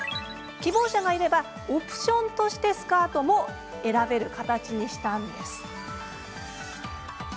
希望者がいればオプションとしてスカートも選べる形にしたんです。